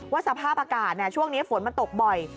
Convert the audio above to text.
สภาพอากาศช่วงนี้ฝนมันตกบ่อย